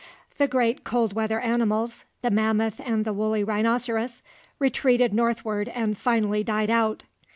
The great cold weather animals the mammoth and the wooly rhinoceros retreated northward and finally died out.